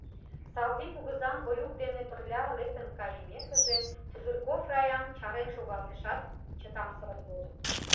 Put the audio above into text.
Савлий кугызан Олюк дене пырля лектын каймекыже, Пузырьков Раям чарен шогалтышат, чытамсырын йодо: